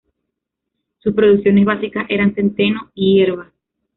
Sus producciones básicas eran centeno y hierba.